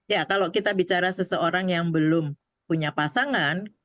ya kalau kita bicara seseorang yang belum punya pasangan